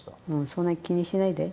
そんな気にしないで。